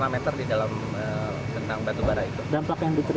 sementara dinas lingkungan hidup